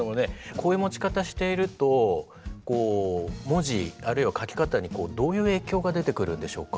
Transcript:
こういう持ち方していると文字あるいは書き方にどういう影響が出てくるんでしょうか？